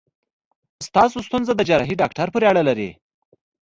ستاسو ستونزه د جراحي داکټر پورې اړه لري.